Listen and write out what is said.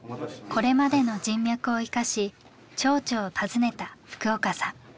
これまでの人脈を生かし町長を訪ねた福岡さん。